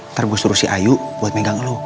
ntar gue suruh si ayu buat megang lo